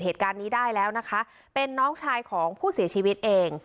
เหตุการณ์นี้ได้แล้วนะคะเป็นน้องชายของผู้เสียชีวิตเอง